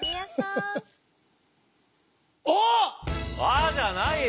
「あ！」じゃないよ。